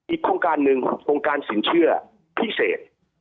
อีกโครงการนึงคุณการสินเชื่อพิเศษ